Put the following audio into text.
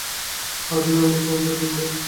আর তুমি আমার বন্ধু, জিম্বো।